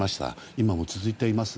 今も続いています。